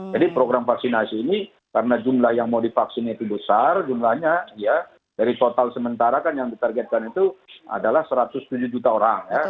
jadi program vaksinasi ini karena jumlah yang mau divaksin itu besar jumlahnya ya dari total sementara kan yang ditargetkan itu adalah satu ratus tujuh juta orang ya